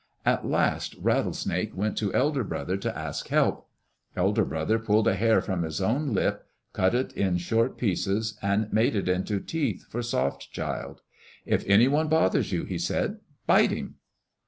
At last Rattlesnake went to Elder Brother to ask help. Elder Brother pulled a hair from his own lip, cut it in short pieces, and made it into teeth for Soft Child. "If any one bothers you," he said, "bite him."